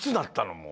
もう。